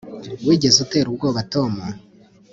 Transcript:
wigeze utera ubwoba tom